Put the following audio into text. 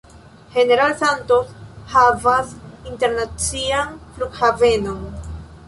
General Santos havas internacian flughavenon.